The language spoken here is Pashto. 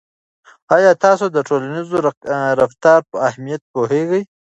آیا تاسو د ټولنیز رفتار په اهمیت پوهیږئ.